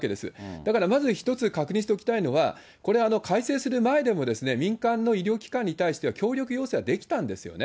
だからまず一つ確認しておきたいのは、これ、改正する前でもですね、民間の医療機関に対しては、協力要請はできたんですよね。